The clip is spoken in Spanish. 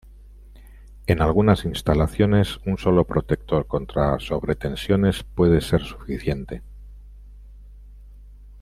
En algunas instalaciones un solo protector contra sobretensiones puede ser suficiente.